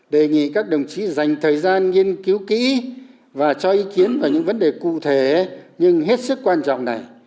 đề nghị các đồng chí dành thời gian nghiên cứu kỹ và cho ý kiến vào những vấn đề cụ thể nhưng hết sức quan trọng này